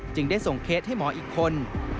จึงได้ส่งเคล็ดให้หมออีกคน